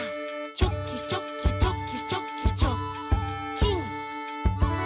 「チョキチョキチョキチョキチョッキン！」